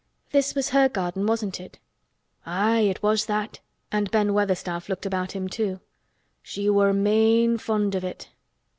"This was her garden, wasn't it?" "Aye, it was that!" and Ben Weatherstaff looked about him too. "She were main fond of it."